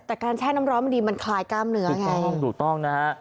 แต่การแช่น้ำร้อนมันดีมันคลายกล้ามเนื้อไงถูกต้องถูกต้องนะฮะ